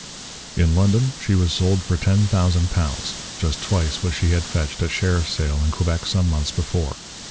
In London she was sold for £10,000, just twice what she had fetched at sheriff's sale in Quebec some months before.